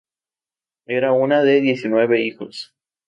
Era una de diecinueve hijos.